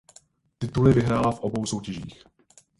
Tituly vyhrála v obou soutěžích.